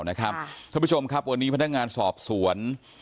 ท่านผู้ชมครับวันนี้พนักงานสอบสวน